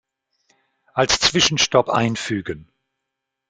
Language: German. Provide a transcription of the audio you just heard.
Als Zwischenstopp einfügen.